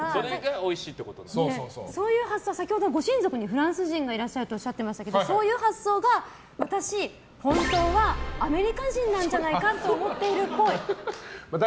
そういう発想、さっき親戚にフランス人がいらっしゃるとおっしゃってましたけどそういう発想が私、本当はアメリカ人なんじゃと思っているっぽい。